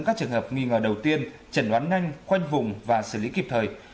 các trường hợp nghi ngờ đầu tiên chẩn đoán nhanh khoanh vùng và xử lý kịp thời